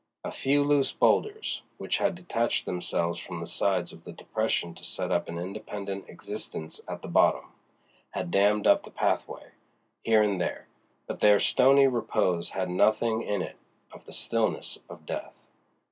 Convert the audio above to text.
A few loose bowlders, which had detached themselves from the sides of the depression to set up an independent existence at the bottom, had dammed up the pathway, here and there, but their stony repose had nothing in it of the stillness of death.